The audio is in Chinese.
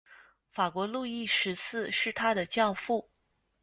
法国路易十四是他的教父。